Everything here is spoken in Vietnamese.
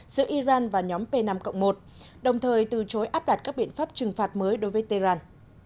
giữa iran và nhóm p năm một đồng thời từ chối áp đặt các biện pháp trừng phạt mới đối với tehran